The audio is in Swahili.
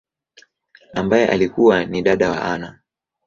ambaye alikua ni dada wa Anna.